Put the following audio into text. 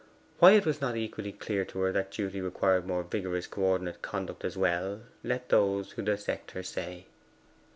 Why it was not equally clear to her that duty required more vigorous co ordinate conduct as well, let those who dissect her say.